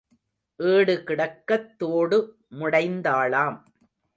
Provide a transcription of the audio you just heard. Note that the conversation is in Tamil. ஏடு கிடக்கத் தோடு முடைந்தாளாம்.